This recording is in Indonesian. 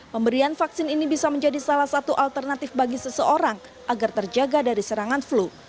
pemberian vaksin ini bisa menjadi salah satu alternatif bagi seseorang agar terjaga dari serangan flu